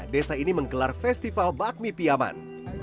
desa ini menggelar festival bakmi piyaman